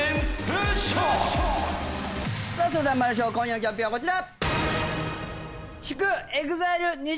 さあそれではまいりましょう今夜のキャンペーンはこちら！